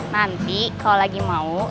nanti kalau lagi mau